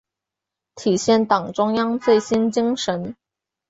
体现党中央最新精神